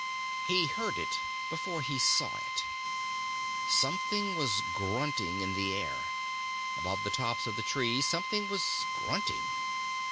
He heard it before he saw it. Something was grunting in the air. Above the tops of the trees something was grunting.